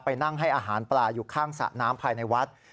นั่งให้อาหารปลาอยู่ข้างสระน้ำภายในวัด